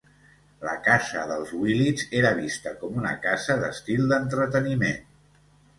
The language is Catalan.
La casa dels Willits era vista com una casa d'estil d'entreteniment.